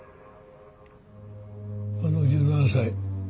あの１７才